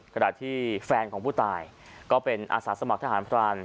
ขณะที่แฟนของผู้ตายก็เป็นอาสาสมัครทหารพราน